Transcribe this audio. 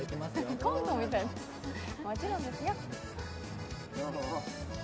もちろんですよ。